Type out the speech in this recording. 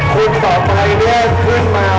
ขอบคุณทุกเรื่องราว